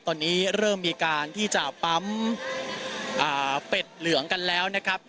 ตอนนี้เริ่มมีการที่จะปั๊มเป็ดเหลืองกันแล้วนะครับ